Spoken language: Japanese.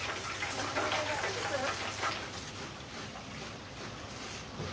ありがとうございます。